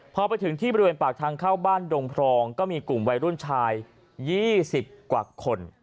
พอไปถึงที่บริเวณปากทางเข้าบ้านดงพรองก็มีกลุ่มวัยรุ่นชาย๒๐กว่าคน